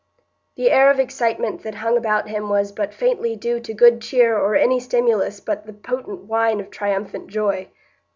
The air of excitement that hung about him was but faintly due to good cheer or any stimulus but the potent wine of triumphant joy.